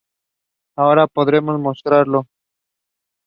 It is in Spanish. Ahora podremos mostrarlo.